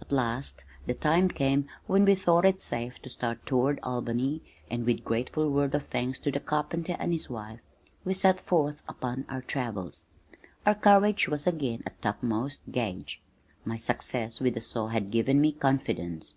At last the time came when we thought it safe to start toward Albany and with grateful words of thanks to the carpenter and his wife, we set forth upon our travels. Our courage was again at topmost gauge. My success with the saw had given me confidence.